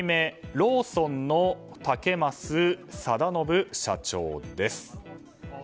ローソンの竹増貞信社長です。